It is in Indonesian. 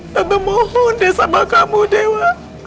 tante mohon deh sama kamu dewa